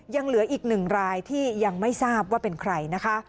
ยังเหลืออีกหนึ่งรายที่ยังไม่ทราบว่าเป็นใครนะคะ